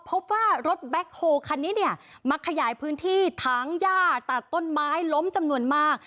พบว่ารถแบ็คโฮคันนี้เนี่ยมาขยายพื้นที่ถางย่าตัดต้นไม้ล้มจำนวนมาก